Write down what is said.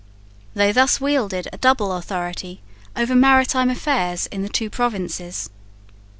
They thus wielded a double authority over maritime affairs in the two provinces.